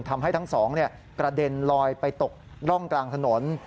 ทำให้ทั้งสองกระเด็นลอยไปตกร่องกลางถนน